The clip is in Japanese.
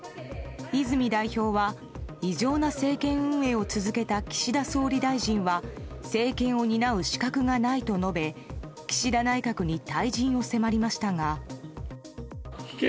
泉代表は、異常な政権運営を続けた岸田総理大臣は政権を担う資格がないと述べ岸田内閣に退陣を迫りましたが。